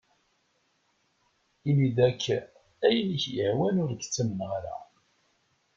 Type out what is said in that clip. Ini-d ayen akk i ak-yehwan, ur k-ttamneɣ ara.